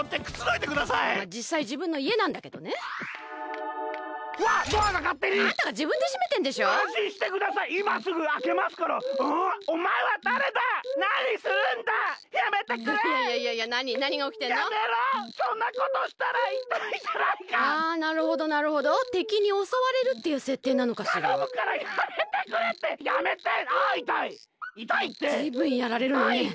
ずいぶんやられるのね。